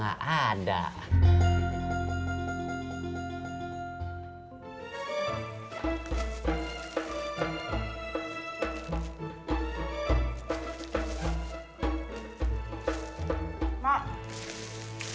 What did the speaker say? gak ada apa apa